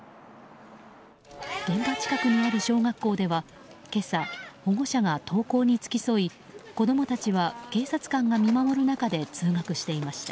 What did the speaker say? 現場近くにある小学校では今朝、保護者が登校に付き添い子供たちは警察官が見守る中で通学していました。